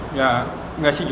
jutaan yang paling ratusan ribu